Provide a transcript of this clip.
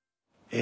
え？